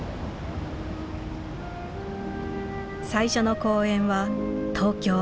最初の公演は東京・新宿。